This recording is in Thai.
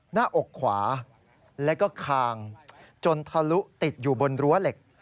หน้าอกขวาแล้วก็คางจนทะลุติดอยู่บนรั้วเหล็ก